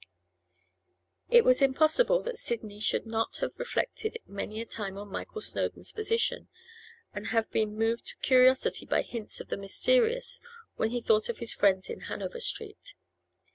It was impossible that Sidney should not have reflected many a time on Michael Snowdon's position, and have been moved to curiosity by hints of the mysterious when he thought of his friends in Hanover Street.